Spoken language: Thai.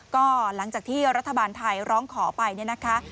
ก็หลังจากที่รัฐบาลไทยร้องขอไปเนี่ยนะคะ